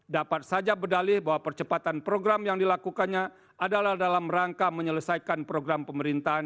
dapat saja berdalih bahwa percepatan program yang dilakukannya adalah dalam rangka menyelesaikan program pemerintahan